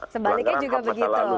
sebaliknya juga begitu